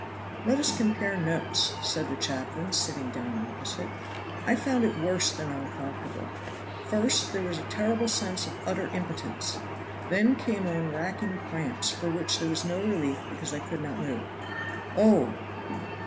"Let us compare notes," said the chaplain, sitting down opposite. "I found it worse than uncomfortable. First there was a terrible sense of utter impotence, then came on racking cramps, for which there was no relief because I could not move." "Oh!"